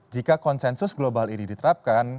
jika konsensus global ini diterapkan